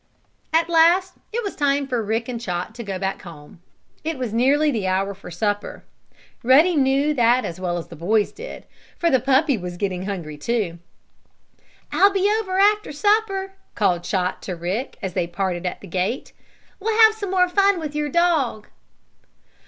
At last it was time for Rick and Chot to go back home. It was nearly the hour for supper. Ruddy knew that as well as the boys did, for the puppy was getting hungry, too. "I'll be over after supper," called Chot to Rick, as they parted at the gate. "We'll have some more fun with your dog."